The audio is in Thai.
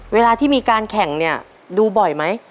เวลาที่มีการแข่งเนี่ยดูบ่อยไหม